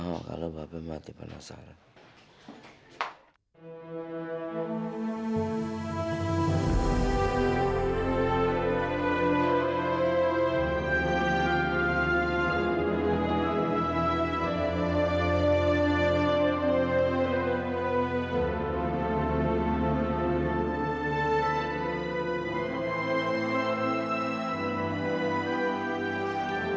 mau kalau mbak be mati penasaran